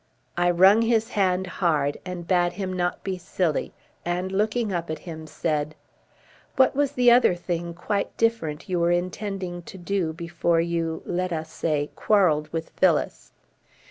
I wrung his hand hard and bade him not be silly, and, looking up at him, said: "What was the other thing quite different you were intending to do before you, let us say, quarreled with Phyllis?"